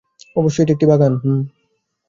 অবশ্যই এটি একটি বাগান - হুম।